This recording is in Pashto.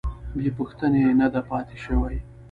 بې پوښتنې نه ده پاتې شوې.